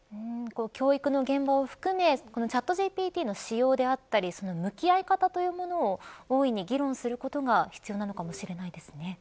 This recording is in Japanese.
教育の現場を含めＣｈａｔＧＰＴの使用であったり向き合い方というものを大いに議論することが必要なのかもしれないですね。